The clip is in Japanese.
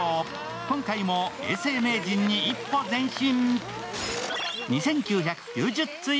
今回も永世名人に一歩前進。